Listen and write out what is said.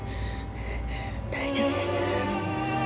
大丈夫です。